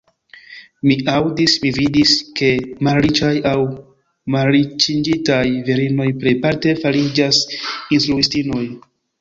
Mi aŭdis, mi vidis, ke malriĉaj aŭ malriĉiĝintaj virinoj plejparte fariĝas instruistinoj.